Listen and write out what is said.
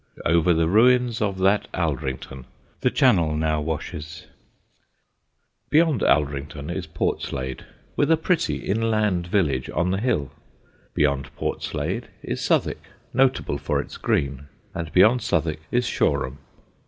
Over the ruins of that Aldrington the Channel now washes. [Sidenote: THE LIFE OF A HARBOUR] Beyond Aldrington is Portslade, with a pretty inland village on the hill; beyond Portslade is Southwick, notable for its green; and beyond Southwick is Shoreham.